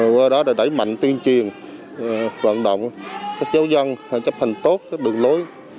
qua đó để đẩy mạnh tiên triền vận động các giáo dân chấp hành tốt các đường lối